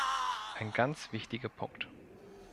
Ein ganz wichtiger Punkt!